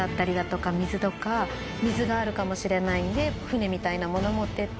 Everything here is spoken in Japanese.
水があるかもしれないんで舟みたいなものを持っていったり。